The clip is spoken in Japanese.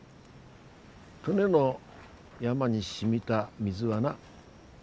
登米の山にしみた水はな